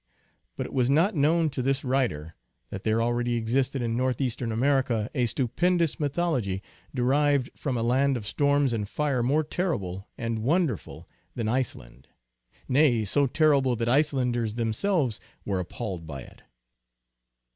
But it was not known to this writer that there already existed in Northeast ern America a stupendous mythology, derived from a land of storms and fire more terrible and wonderful than Iceland ; nay, so terrible that Icelanders them selves were appalled by it.